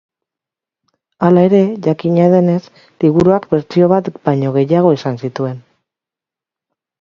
Hala ere, jakina denez, liburuak bertsio bat baino gehiago izan zituen.